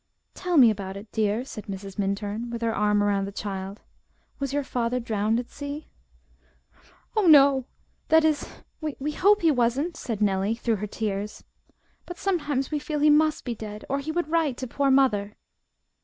"Tell me about it, dear," said Mrs. Minturn, with her arm around the child. "Was your father drowned at sea?" "Oh no; that is, we hope he wasn't." said Nellie, through her tears, "but sometimes we feel he must be dead or he would write to poor mother."